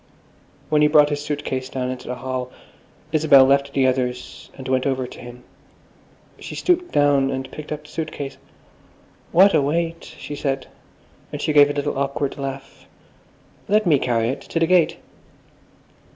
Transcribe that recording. When he brought his suit case down into the hall, Isabel left the others and went over to him. She stooped down and picked up the suit case. "What a weight!" she said, and she gave a little awkward laugh. "Let me carry it! To the gate."